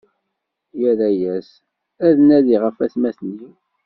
Irra-yas: Ad tnadiɣ ɣef watmaten-iw.